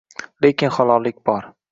Lekin halollik bor